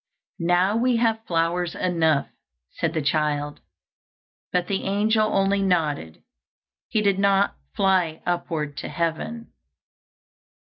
"Now we have flowers enough," said the child; but the angel only nodded, he did not fly upward to heaven.